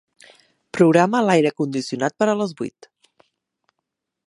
Programa l'aire condicionat per a les vuit.